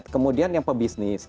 kemudian yang pebisnis